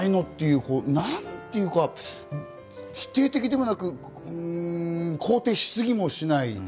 って、なんというか否定的でもなく、肯定しすぎもしない。